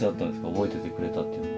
覚えててくれたっていうのは。